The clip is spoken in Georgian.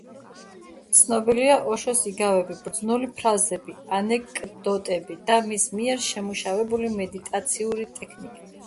ცნობილია ოშოს იგავები, ბრძნული ფრაზები, ანეკდოტები და მის მიერ შემუშავებული მედიტაციური ტექნიკები.